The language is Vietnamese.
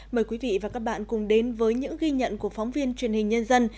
mời quý vị và các bạn cùng đến với những ghi nhận của phóng viên truyền hình nhân dân